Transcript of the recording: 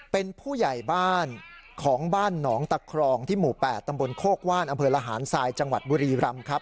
เป็นผู้ใหญ่บ้านของบ้านหนองตะครองที่หมู่๘ตำบลโคกว่านอำเภอระหารทรายจังหวัดบุรีรำครับ